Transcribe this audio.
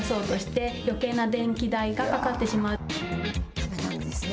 だめなんですね。